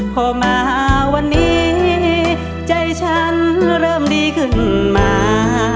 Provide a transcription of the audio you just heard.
พอมาวันนี้ใจฉันเริ่มดีขึ้นมา